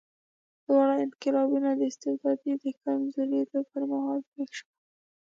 دواړه انقلابونه د استبداد د کمزورېدو پر مهال پېښ شول.